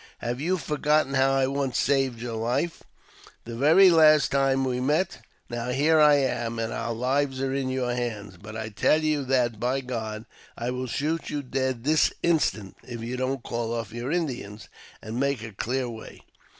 Have you for gotten how I once saved your life — the very last time we met ? Now here I am, and our lives are in your hands, but I tell you that by God I will shoot you dead this instant if you dont call off your Indians, and make a clear way.